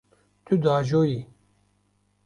Tu diajoyî.